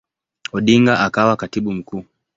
Odinga akawa Katibu Mkuu.